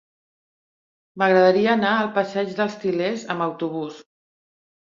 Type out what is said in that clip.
M'agradaria anar al passeig dels Til·lers amb autobús.